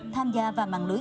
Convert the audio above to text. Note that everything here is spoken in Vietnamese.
tham gia vào mạng lưới